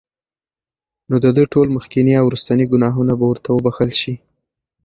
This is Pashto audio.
نو د ده ټول مخکيني او وروستني ګناهونه به ورته وبخښل شي